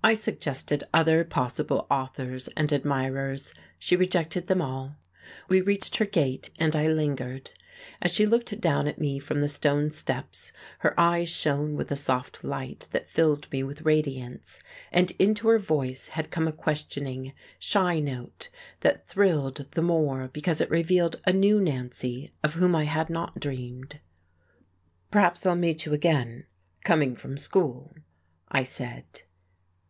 I suggested other possible authors and admirers. She rejected them all. We reached her gate, and I lingered. As she looked down at me from the stone steps her eyes shone with a soft light that filled me with radiance, and into her voice had come a questioning, shy note that thrilled the more because it revealed a new Nancy of whom I had not dreamed. "Perhaps I'll meet you again coming from school," I said.